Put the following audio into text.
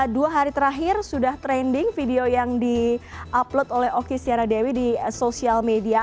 dua hari terakhir sudah trending video yang di upload oleh oki stiara dewi di sosial media